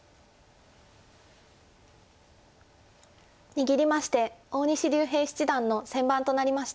握りまして大西竜平七段の先番となりました。